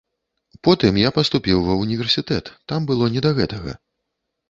Потым я паступіў ва ўніверсітэт, там было не да гэтага.